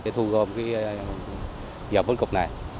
để thu gom dầu vón cục này